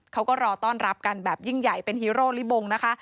เขาก็รอต้อนรับกันแบบยิ่งใหญ่เป็นฮีโร่ลิบงนะคะ